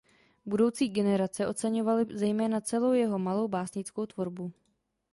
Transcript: Budoucí generace oceňovali zejména celou jeho malou básnickou tvorbu.